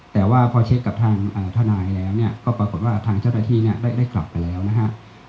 แต่ว่าพอเช็คกับทางทนายแล้วเนี่ยก็ปรากฏว่าทางเจ้าหน้าที่เนี่ยได้กลับไปแล้วนะฮะ